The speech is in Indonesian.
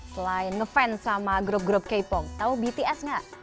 selain ngefans sama grup grup k pong tau bts nggak